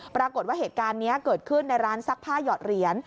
ปรากฏว่าเหตุการณ์นี้เกิดขึ้นในร้านซักผ้าหยอดเหรียญ